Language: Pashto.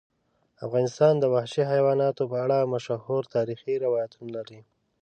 افغانستان د وحشي حیواناتو په اړه مشهور تاریخی روایتونه لري.